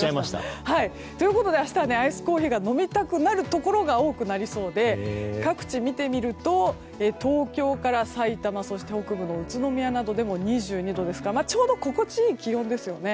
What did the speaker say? ということで明日はアイスコーヒーが飲みたくなるところが多くなりそうで各地を見てみると東京からさいたま北部の宇都宮などでも２２度ですからちょうど心地いい気温ですよね。